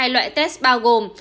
loại test bao gồm